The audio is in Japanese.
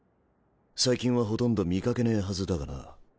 最近はほとんど見かけねぇはずだがな。